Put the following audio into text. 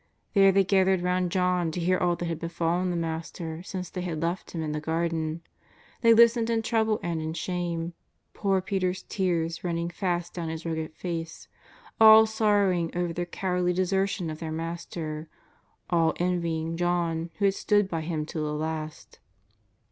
There they gathered round John to hear all that had befallen the Master since they had left Him in the Garden. They listened in trouble and in shame, poor Peter's tears running fast down his rugged face, all sorrowing over their cowardly desertion of their Mas ter, all envying John who had stood by Him to the last.